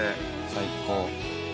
最高。